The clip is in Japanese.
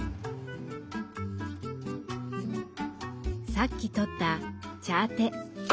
さっきとった「チャーテ」。